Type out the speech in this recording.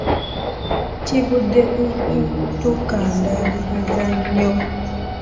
Kivudde ku kutukandaaliriza nnyo.